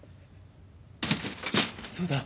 そうだ。